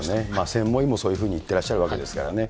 専門医もそういうふうに言ってらっしゃるわけですからね。